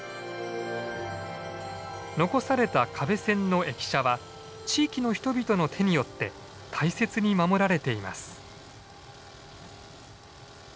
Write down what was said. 残された可部線の駅舎は地域の人々の手によって大切に守られています。